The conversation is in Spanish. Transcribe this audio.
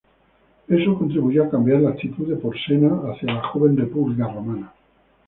Eso contribuyó a cambiar la actitud de Porsena hacia la joven república romana.